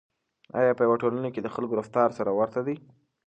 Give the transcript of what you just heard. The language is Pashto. آیا په یوه ټولنه کې د خلکو رفتار سره ورته وي؟